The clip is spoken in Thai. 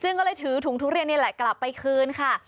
ซึ่งก็เลยถือถุงทุเรียนนี่แหละกลับไปคืนค่ะ